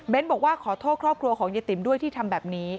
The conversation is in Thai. บอกว่าขอโทษครอบครัวของเยติ๋มด้วยที่ทำแบบนี้